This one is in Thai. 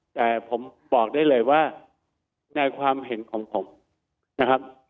แต่ผมบอกได้เลยว่าในความเห็นของผมนะครับ